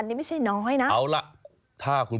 ก็ตามเขาก็ไม่รู้ว่าเขาหามาได้วิธีไหน